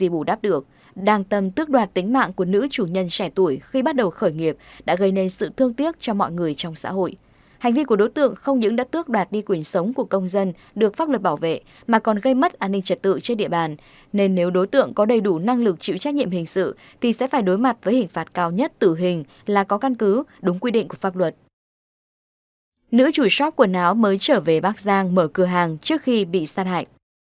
bác giang mới trở về bác giang mở cửa hàng trước khi bị sát hại